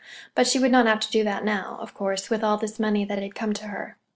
But she would not have to do that now, of course, with all this money that had come to her.